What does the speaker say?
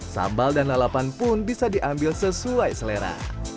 sambal dan lalapan pun bisa diambil sesuai selera